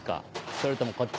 それともこっち？